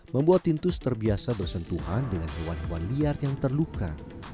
membuat tintus terbiasa bersentuhan dengan hewan hewan liar yang terluka